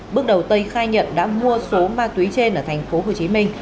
bước đầu tây khai nhận đã mua số ma túy trên ở thành phố hồ chí minh